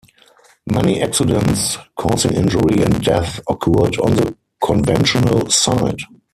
Many accidents causing injury and death occurred on the conventional side.